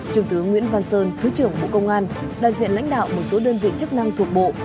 trung tướng nguyễn văn sơn thứ trưởng bộ công an đại diện lãnh đạo một số đơn vị chức năng thuộc bộ